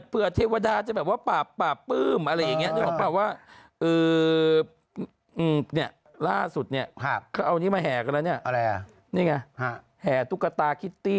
เผื่อเทวดาจะแบบว่าปราบปราบปื้มอะไรอย่าไง